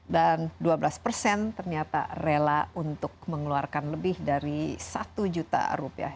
dan dua belas persen ternyata rela untuk mengeluarkan lebih dari satu juta rupiah